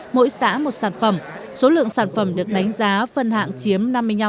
mỗi xã một sản phẩm số lượng sản phẩm được đánh giá phân hạng chiếm